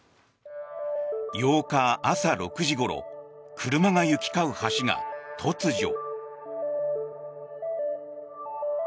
８日朝６時ごろ車が行き交う橋が、突如。